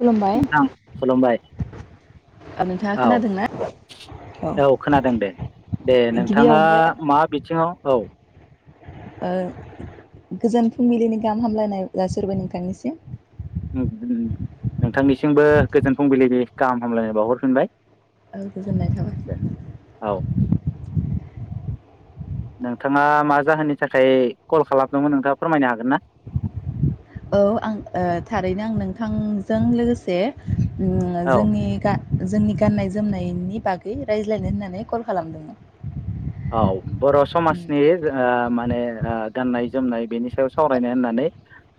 खुलुमबाय नोंथां खुलुमबाय नोंथाङा औ खोनादोंना औ खोनादों दे दे नोंथाङा गिबियावनो मा बिथिङाव औ ओ गोजोन फुंबिलिनि गाहाम हामलायनाय जासि हरबाय नोंथांनिसिम। नोंथांनिसिमबो गोजोन फुंबिलिनि गाहाम हामलायनाय बावहरफिनबाय। औ गोजोननाय दे औ थाबाय। नोंथाङा मा जाहोननि थाखाय कल खालामदोंमोन नोंथाङा फोरमायनो हागोन ना? औ आं ओ थारैनो आं नोंथांजों लोगोसे जोंङो औ जोंनि गा जोंनि गाननाय जोमनायनि बागै रायज्लायनो होननानै कल खालामदोंमोन। औ ने आ गाननाय जोमनाय बेनि सायाव सावरायनो होननानै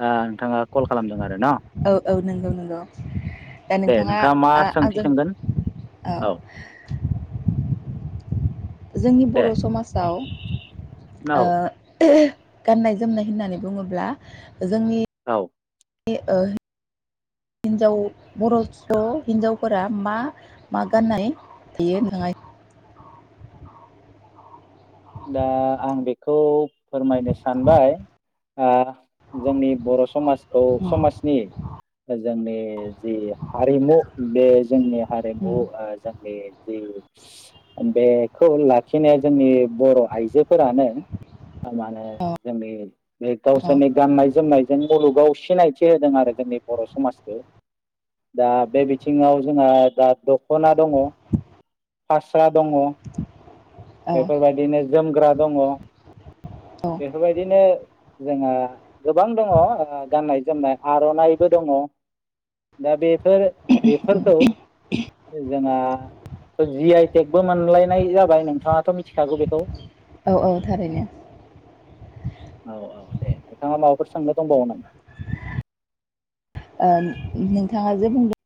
आ नोंथाङा कल खालामदों आर औ औ नंगौ नंगौ दा दे नोंथाङा मा सोंथि आ-आंजों सोंगोन औ जोंनि दे बर समाजाव ओ औ गाननाय जोमनाय होननानै बुङोब्ला जोंनि औ [unintelligible] हिनजाव बर हिन्जावफोरा मा मा गाननाय [unintelligible] दा आं बेखौ फोरमायनो सानबाय आ जोंनि बर समाजखौ उम समाजनि जोंनि जि हारिमु बे जोंनिया हारिमु उम ओ जोंनि जि बेखौ लाखिनाया जोंनि बर' आइजोफोरानो माने जोंनि ए अ गावसिनि गाननाय जो जोमनायजों मुलुगाव सिनायथि होदों आरो जोंनि बर' समाजखो, दा बे बिथिङाव जोंहा दा दखना दङ फास्रा दङ। औ बेफोरबायदिनो जोमग्रा दङ औ बेफोरबायदिनो जोंहा गोबां दङ गाननाय-जोमनाय आरनाइबो दङ दा बेफोर बेफोरखौ जोंना थ' जि आइ टेकबो मोनलायनाय जाबाय नोंथाङाथ' मि थिखागौ बेखौ औ -औ थारैनो, औ-औ दे नोंथाङा माबाफोर सोंनो दंबावो नामा? ओ नोंथाङा जे बुंदों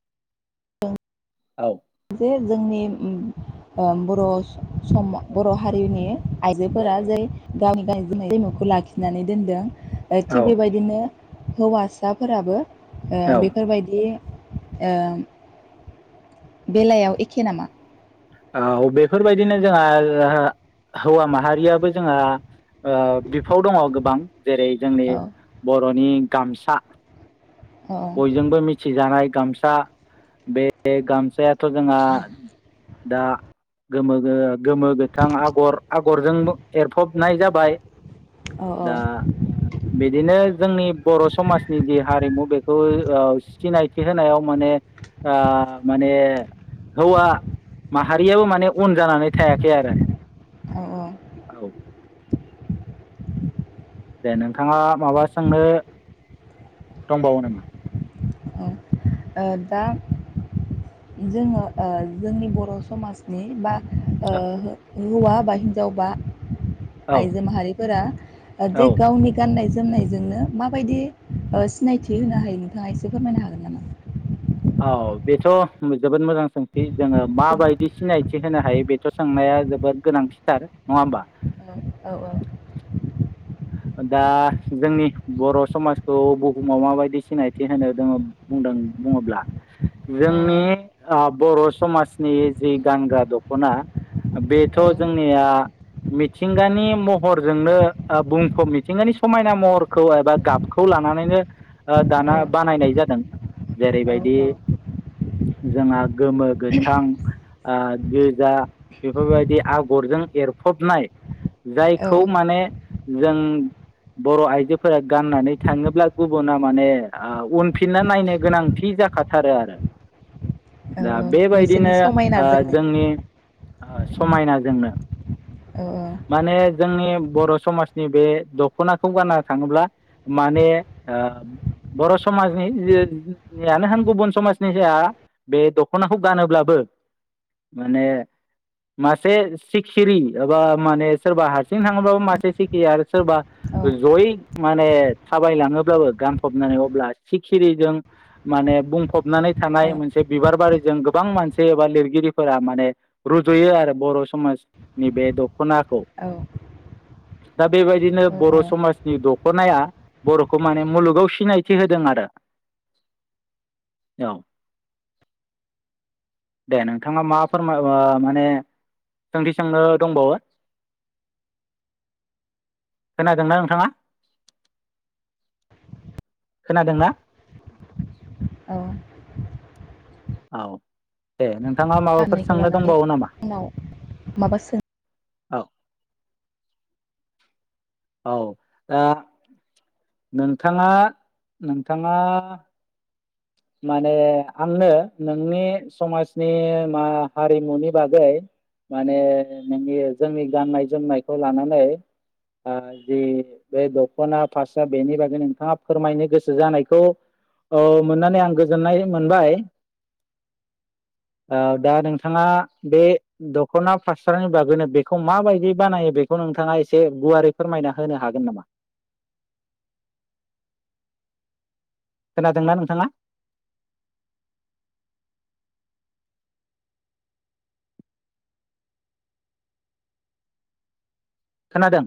औ जे जोंनि उम आ, बर' सम बर हारिनि आइजोफोरा जे गावनि गाव जोमनाय जमुखौ लाखिनानै दोनदों। [unintelligible] थिग औ बेबायदिनो हौवासाफोराबो ओ औ बेफोरबायदि ओ बेलायाव एखे नामा? औ बेफोरबायदिनो जोंहा हौवा माहारियाबो जोंहा ओ बिफाव दङ गोबां। जेरै जोंनि औ बर' बर'नि गामसा औ बयजोंबो मिथिजानाय गामसा बे गामसायाथ जोंहा दा गोमो-गोमो, गोथां आगर आगरजों एरफबनाय जाबाय, औ दा बिदिनो जोंनि बर' समाजनि जि हारिमु बेखौ ओ सिनायथि होनायाव माने माने हौवा माहारियाबो माने उन जानानै थायाखै आरो औ औ औ, दे नोंथाङा माबा सोंनो दंबावो नामा? औ ओ दा जोङो ओ जोंनि बर' समाजनि बा ओ हौवा बा हिनजाव बा औ आइजो माहारिफोरा औ जे गावनि गाननाय जोमनायजोंनो माबायदि ओ सिनायथि होनो हायो नोंथाङा एसे फोरमायनो हागोन नामा? औ बेथ' जोबोद मोजां सोंथि, जोङो माबायदि सिनायथि होनो हायो बेथ' सोंनाया जोबोद गोनांथिथार नङा होमबा? औ - औ दा जोंनि बर' समाजखौ बुहुमाव माबायदि सिनायथि होनो दोङ बुंदों बुङोब्ला औ जोंनि ओ बर' समाजनि जि गानग्रा दखना बेथ' औ जोंनिया मिथिंगानि महरजोंनो ओ बुं मिथिंगानि समायना महरखौ एबा गाबखौ लानानैनो ओ औ दाना बानायनाय जादों। जेरैबायदि जोंहा गोमो, गोथां ओ गोजा बेफोरबायदि आगरजों एरफबनाय औ जायखौ माने जों बर आइजोफोरा गाननानै थाङोब्ला गुबुना माने ओ उनफिनना नायनो गोनांथि जाखाथारो आरो औ दा औ बिसोरनि बेबायदिनो ओ समायनाजोंनो जोंनि ओ समायनाजोंनो औ माने जोंनि बर समाज नि बे दखनाखौ गानना थाङोब्ला माने ओ बर समाजनियानो होन गुबुन समाजनि जाया बे दखनाखौ गानोब्लाबो माने मासे सिखिरि एबा माने सोरबा हारसिं थाङोबाबो मासे सि [unintelligible] आरो सोरबा जयै माने थाबाय लाङोब्लाबो गानफबनानै अब्ला सिखिरिजों माने बुंफबनानै थानाय मोनसे बिबार बारि जों गोबां मानसि एबा लिरगिरिफोरा माने रुजुयो आरो बर समाजनि बे द खनाखौ औ दा बेबायदिनो बर औ समाजनि दख खनाया बरखौ माने मुलुगाव सिनायथि होदों आरो औ दे नोंथाङा मा फोरमाय ओ माने सोंथि सोंनो दंबावो खोनादोंना नोंथाङा खोनादोंना औ औ दे नों आनायखौ लानानै उनाव माबा सोङो औ औ दा नोंथाङा नोंथाङा माने आंनो नोंनि समाजनि मा हारिमुनि बागै माने नोंनि जोंनि गाननाय जोमनायखौ लानानै ओ जि बे दखना फास बेनि बागै नोंथाङा फोरमायनो गोसो जानायखौ ओ मोननानै आं गोजोननाय मोनबाय ओ दा नोंथाङा बे दखना फास्रानि बागैनो बेखौ माबायदि बानायो बेखौ नोंथाङा एसे गुवारै फोरमायना होनो हागोन नामा? खोनादोंना नोंथाङा? खोनादों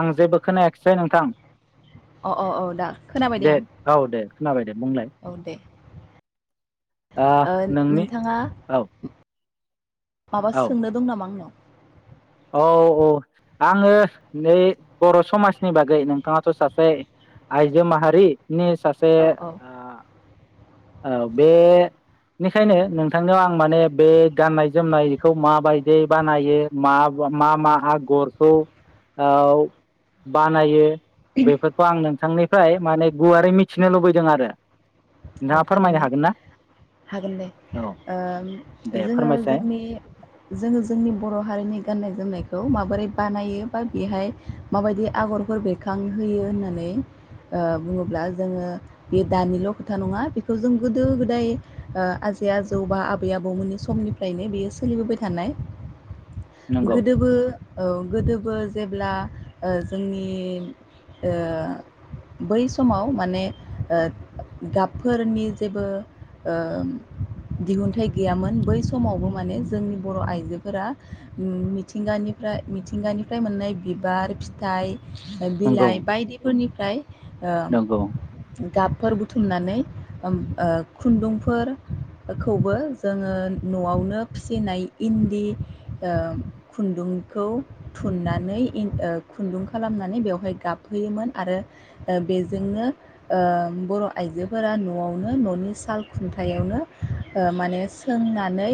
आं जेबो खोनायाखिसै नोंथां अ अ औ दा खोनाबाय दे आं खोनाबायदे औ दे ओ नोंनि औ माबा औ सोंनो दं नामा आंनाव औ औ आङो नै बर समाजनि बागै नोंथाङाथ सासे आइजो माहारि नि सासे औ ओ औ बे निखायनो नोंथांनियाव आं माने बे गाननाय जोमनायखौ माबायदि बानायो मा मा मा आगरखौ ओव बानायो बेफोरखौ आं नोंथांनिफ्राय माने गुवारै उम, मिथिनो लुबैदों आरो औ नोंथाङा फोरमायनो थारैनो हागोन ना हागोन दे औ ओ दे जोङो फोरमायसाय जोंनि जोङो जोंनि बर हारिनि गाननाय जोमनाय खौ माबोरै बानायो बा बेहाय माबायदि आगरफोर बेरखांहोयो होननानै ओ बुङोब्ला जोङो बे दानिल खोथा नङा बेखौ जों गोदो गोदाय ओ आजै आजौ बा आबै आबौमोननि समनिफ्रायनो बेयो सोलिबोबाय थानाय नंगौ गोदोबो औ गोदो बो जेब्ला ओ जोंनि ओ बै समाव माने ओ गाब फोरनि जेबो ओ दिहुनथाइ गैयामोन बै समावबो माने जोंनि बर आइजोफोरा मिथिंगानिफ्राय मिथिंगानिफ्राय मोननाय बिबार फिथाइ नंगौ बिलाइ बायदिफोरनिफ्राय नंगौ ओ गाबफोर बुथुमनानै उम ओ खुन्दुंफोरखौबो जोङो नआवनो फिसिनाय इन्दि ओ खुन्दुंखौ थुननानै इ ओ खुन्दुं खालामनानै बेवहाय गाबहोयोमोन आरो बेजोंनो ओ बर आइजो फोर नआवनो ननि साल खुन्थायाइावनो ओ माने सोंनानै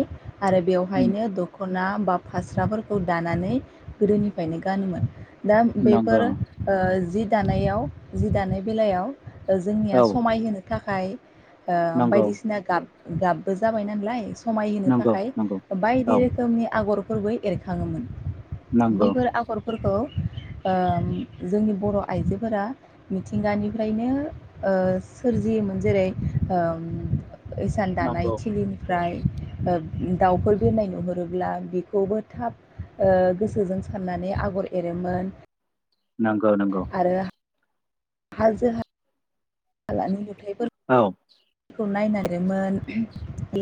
आरो उम, बेवहायनो दखना बा फास्राफोरखौ दानानै गोदोनिफ्रायनो गानोमोन दा नंगौ बेफोरो ओ जि दानायाव जि दानाय बेलायाव जोंनिया औ समाय होनो थाखाय ओ नंगौ बायदिसिना गाब गाबबो जाबाय नालाय समायहोनो नंगौ थाखाय नंगौ बायदि औ रोखोमनि आगरफो फोरबो एरखाङोमोन नंगौ बैफोर आगरफोरखौ ओ जोंनि बर आइजोफोरा मिथिंगानिफ्रायनो ओ सोरजियोमोन जेरै ओ इसान दानाय नंगौ थिलिनिफ्राय ओ दाउफोर बेरनाय नुहरोब्ला बेखौबो थाब ओ गोसोजों साननानै आगर एरोमोन नांगौ नोंगौ आरो हाजो हा हालानि गुथाय औ खौ नायनानै मोन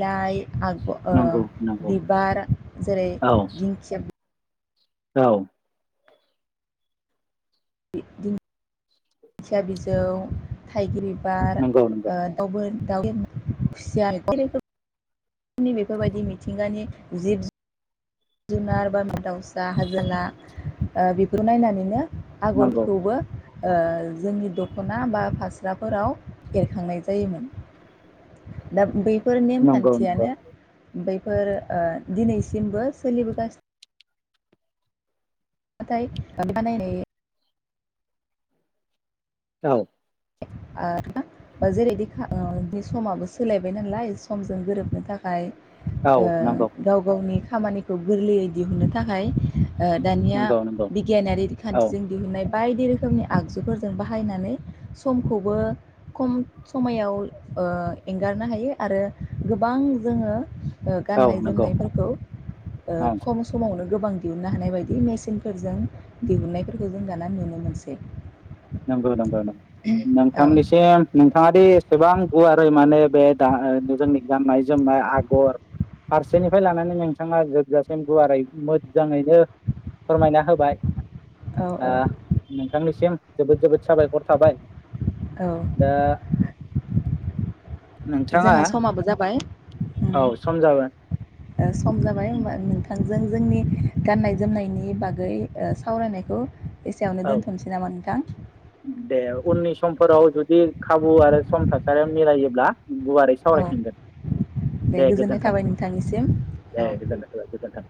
लाइ आरो नंगौ नंगौ बिबार जेरै औ दिंखिया बि औ बिदिनो दिंखिया बिजौ थाइगिर बि बार नंगौ नंगौ ओ दाउ दाउ खुसिया आरो नि बेफोरबायदि मिथिंगानि जिब जु जुनार बा मा दाउसा हाजो हाला बेखौ नायनानैनो नंगौ आगरखौबो ओ जोंनि दखना बा फास्राफोराव एरखांनाय जायोमोन दा बै फोर नंगौ नंगौ नेमखान्थियानो बै फोर ओ दिनैसिमबो सोलिबोगासिनो नाथाय [unintelligible] औ आरो जेरैबादि समाबो सोलायबाय नालाय समजों गोरोबनो थाखाय। औ ओ नंगौ गाव गावनि। खामानिखौ गोरलैयै दिहुनो थाखाय। दानिया नंगौ नंगौ बिगियानारि औ खान्थिजों दिहुननाय। बायदि रोखोमनि आगजुफोरजों बाहायनानै। समखौबो खम समायाव एंगारनो हायो आरो गोबां जोङो औ गाननाय नंगौ जोमनायफोरखौ औ खम समावनो। गोबां दिहुननो हानाय बायदि मेसिनफोरजों दिहुनन्नायफोरखौ जों दाना नुनो मोनसै । नंगौ नंगौ नंगौ । नोंथांनिसिम नोंथांङा दे। एसेबां गुवारै माने बे गा जोंनि गाननाय जोमनाय आगर फारसेनिफ्राय लानानै नोंथांङा जोबजासिम गुवारै मोजांङैनो फोरमायना होबाय। औ ओ औ नोंथांनिसिम। जोबोद जोबोद साबायखर थाबाय। औ दा नोंथांङा जोंहा समाबो जाबाय उम औ सम जाबाय। ओ सम जाबाय होमबा नोंथां। जों जोंनि गाननाय जोमनायनि बागै सावरायनायखौ एसेयावनो औ दोनथ'नोसै नामा नोंथां दे उननि समफोराव जुदि। जुदि खाबु आरो सम थासारिया मिलायोब्ला गुवारै औ सावरायफिनगोन दे गोजोननाय गोजोन्थों थाबाय नोंथांनिसिम दे औ गोजोनाय गोजोन्थों।